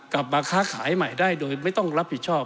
กลับมาค้าขายใหม่ได้โดยไม่ต้องรับผิดชอบ